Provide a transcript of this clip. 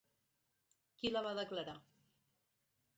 Qui la va declarar?